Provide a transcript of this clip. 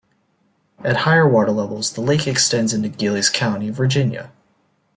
At higher water levels, the lake extends into Giles County, Virginia.